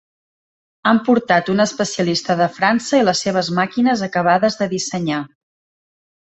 Han portat un especialista de França i les seves màquines acabades de dissenyar.